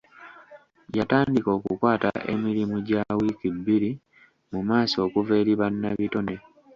Yatandika okukwata emirimu gya wiiki bbiri mu maaso okuva eri bannabitone.